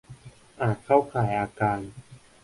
อาจเข้าข่ายอาการ